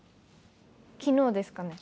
昨日ですかね。